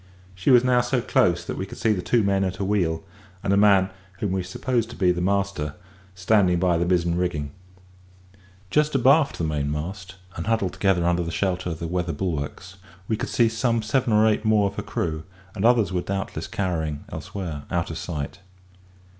She was now so close that we could see the two men at her wheel, and a man, whom we supposed to be the master, standing by the mizen rigging. Just abaft the mainmast, and huddled together under the shelter of the weather bulwarks, we could see some seven or eight more of her crew, and others were doubtless cowering elsewhere out of sight.